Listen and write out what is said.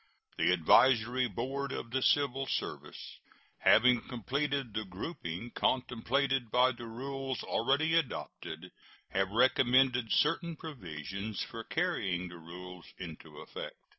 The Advisory Board of the civil service, having completed the grouping contemplated by the rules already adopted, have recommended certain provisions for carrying the rules into effect.